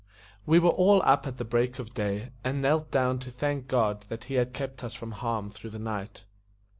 WE were all up at the break of day, and knelt down to thank God that He had kept us from harm through the night.